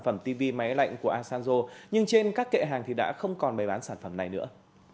phẩm tv máy lạnh của asanzo nhưng trên các kệ hàng thì đã không còn bày bán sản phẩm này nữa